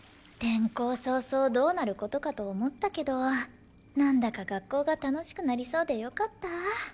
転校早々どうなる事かと思ったけどなんだか学校が楽しくなりそうでよかった。